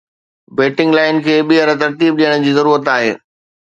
batting line کي ٻيهر ترتيب ڏيڻ جي ضرورت آهي